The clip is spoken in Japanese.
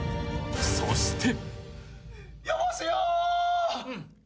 ［そして］